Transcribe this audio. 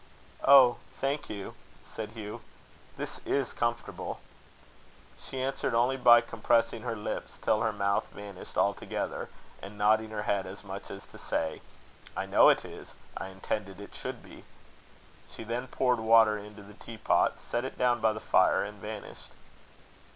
"Oh! thank you," said Hugh. "This is comfortable!" She answered only by compressing her lips till her mouth vanished altogether, and nodding her head as much as to say: "I know it is. I intended it should be." She then poured water into the teapot, set it down by the fire, and vanished.